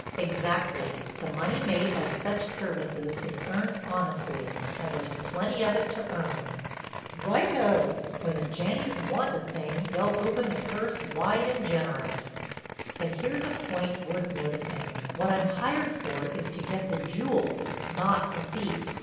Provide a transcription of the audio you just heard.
"Exactly. The money made by such services is earned honestly and there's plenty of it to earn." "Righto! When the Janneys want a thing they'll open the purse wide and generous." "And here's a point worth noticing: What I'm hired for is to get the jewels, not the thief.